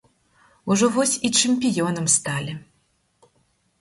Ужо вось і чэмпіёнам сталі.